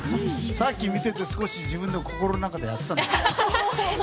さっき見てて、自分でも心の中でやってたんだよ。